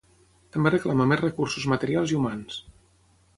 També reclama més recursos materials i humans.